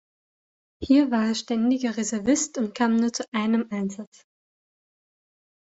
Hier war er ständiger Reservist und kam nur zu einem Einsatz.